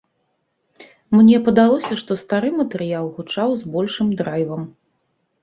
Мне падалося, што стары матэрыял гучаў з большым драйвам.